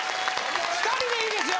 ２人でいいですよ